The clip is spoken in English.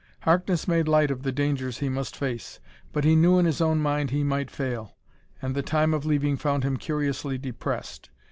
Harkness made light of the dangers he must face, but he knew in his own mind he might fail. And the time of leaving found him curiously depressed.